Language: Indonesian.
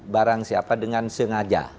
barang siapa dengan sengaja